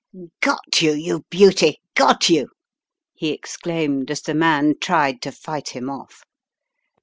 "Got you, you beauty! Got you!" he exclaimed, as the man tried to fight him off.